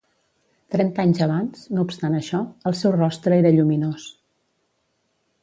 Trenta anys abans, no obstant això, el seu rostre era lluminós.